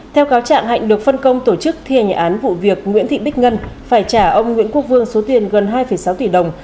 theo cáo trạng hạnh được phân công tổ chức thi hành án vụ việc nguyễn thị bích ngân phải trả ông nguyễn quốc vương số tiền gần hai sáu tỷ đồng